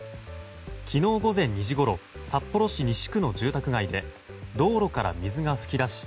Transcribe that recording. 昨日午前２時ごろ札幌市西区の住宅街で道路から水が噴き出し